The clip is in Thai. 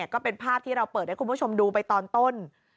ก็เป็นภาพที่เราเปิดให้คุณผู้ชมดูไปตอนต้น